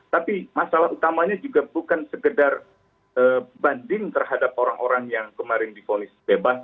tapi masalah utamanya juga bukan sekedar banding terhadap orang orang yang kemarin difonis bebas